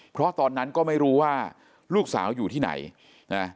เพราะตอนนั้นก็ไม่รู้ว่าลูกสาวอยู่ที่ไหนนะ